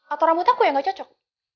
atau rambut aku yang gak cocok